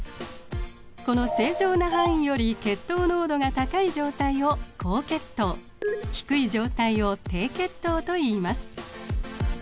この正常な範囲より血糖濃度が高い状態を高血糖低い状態を低血糖といいます。